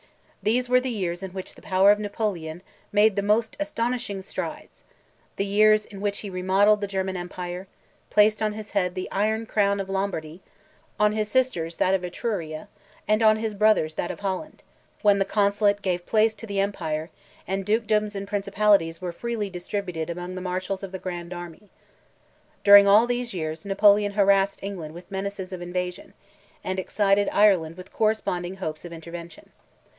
These were the years in which the power of Napoleon made the most astonishing strides; the years in which he remodelled the German Empire, placed on his head the iron crown of Lombardy, on his sister's that of Etruria, and on his brother's that of Holland; when the Consulate gave place to the Empire, and Dukedoms and Principalities were freely distributed among the marshals of the Grand Army. During all these years, Napoleon harassed England with menaces of invasion, and excited Ireland with corresponding hopes of intervention.